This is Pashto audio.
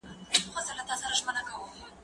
کېدای سي کالي ګنده وي!؟